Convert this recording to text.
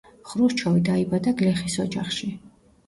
ხრუშჩოვი დაიბადა გლეხის ოჯახში.